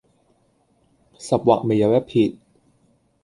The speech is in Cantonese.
十劃未有一撇